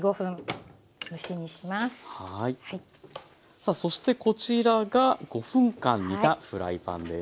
さあそしてこちらが５分間煮たフライパンです。